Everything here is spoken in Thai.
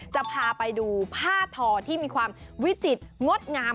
จะพาไปดูผ้าทอที่มีความวิจิตรงดงาม